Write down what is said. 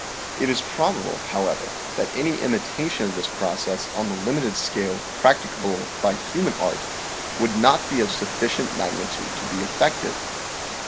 It is probable, however, that any imitation of this process on the limited scale practicable by human art would not be of sufficient magnitude to be effective.